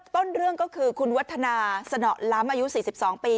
ต้นเรื่องก็คือคุณวัฒนาสนอล้ำอายุ๔๒ปี